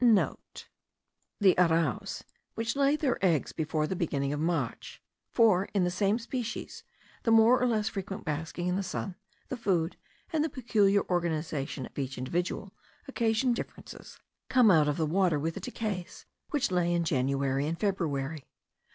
(* The arraus, which lay their eggs before the beginning of March, (for in the same species the more or less frequent basking in the sun, the food, and the peculiar organization of each individual, occasion differences,) come out of the water with the terekays, which lay in January and February.